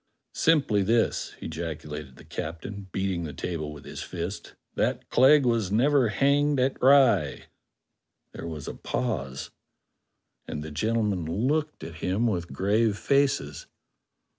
"Simply this," ejaculated the captain, beating the table with his fist, "that Clegg was never hanged at Rye." There was a pause, and the gentlemen looked at him with grave faces.